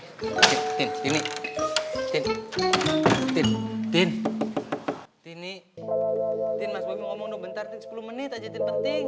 tin tin tin tin tin tin tin tin mas bobby mau ngomong dulu bentar sepuluh menit aja tin penting